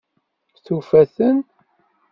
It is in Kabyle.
Tufa-ten?